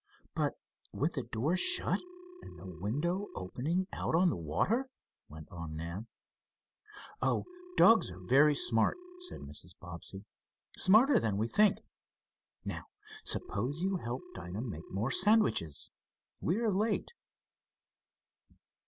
"But with the door shut, and the window opening out on the water?" went on Nan. "Oh, dogs are very smart," said Mrs. Bobbsey. "Smarter than we think. Now suppose you help Dinah make more sandwiches. We are late."